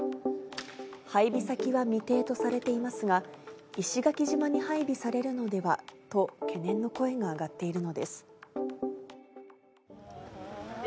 配備先は未定とされていますが、石垣島に配備されるのではと、懸念の声が上がっているのです。